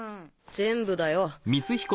全部だよ。